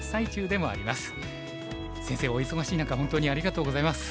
先生お忙しい中本当にありがとうございます。